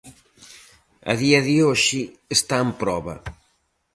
A día de hoxe está en proba.